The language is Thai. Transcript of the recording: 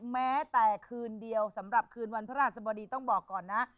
แม้แต่คืนเดียวสำหรับคืนวันพระราชบดีต้องบอกก่อนนะ